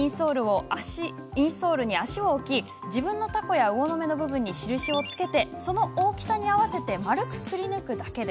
インソールに足を置き自分のタコや魚の目の部分に印をつけ、その大きさに合わせてくりぬくだけ。